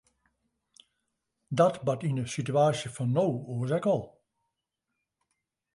Dat bart yn de sitewaasje fan no oars ek al.